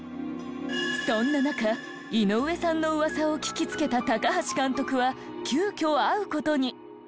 そんな中井上さんの噂を聞きつけた高橋監督は急遽会う事に。